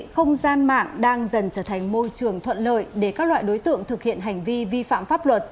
không gian mạng đang dần trở thành môi trường thuận lợi để các loại đối tượng thực hiện hành vi vi phạm pháp luật